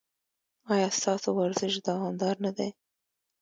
ایا ستاسو ورزش دوامدار نه دی؟